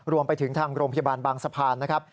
รวมไปถึงทางโรงพยาบาลบางสะพานนะครับ